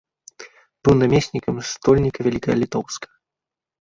Быў намеснікам стольніка вялікага літоўскага.